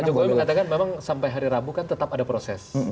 pak jokowi mengatakan memang sampai hari rabu kan tetap ada proses